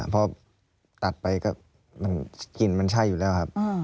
พอตัดไปก็กลิ่นมันใช่อยู่แล้วครับ